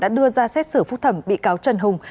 đã đưa ra xét xử phúc thẩm bị cáo trần hùng